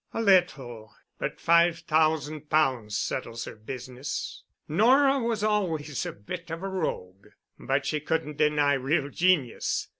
"A little—but five thousand pounds settles her business. Nora was always a bit of rogue, but she couldn't deny real genius.